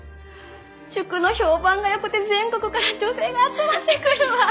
塾の評判が良くて全国から女性が集まってくるわ！